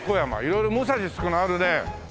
色々「武蔵」付くのあるね。